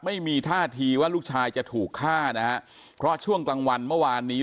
ไม่มีท่าทีว่าลูกชายจะถูกฆ่านะฮะเพราะช่วงกลางวันเมื่อวานนี้